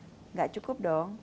tidak cukup dong